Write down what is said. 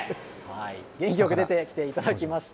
元気よく出てきていただきました。